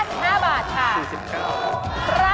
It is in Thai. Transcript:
๒เอาละ๔๒